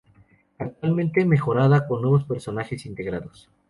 Actualmente mejorada con nuevos personajes integrados.